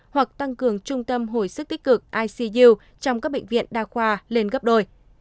hoặc tăng cường trung tâm hồi sức tích cực icu trong các bệnh viện đa khoa lên gấp đôi